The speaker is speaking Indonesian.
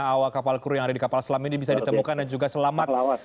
awak kapal kru yang ada di kapal selam ini bisa ditemukan dan juga selamat